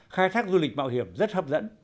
khai thác du lịch mạo hiểm rất hấp dẫn